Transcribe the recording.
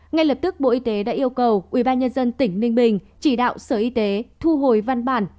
ngay lập tức bộ y tế đã yêu cầu ubnd tỉnh ninh bình chỉ đạo sở y tế thu hồi văn bản